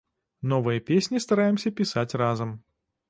Новыя песні стараемся пісаць разам.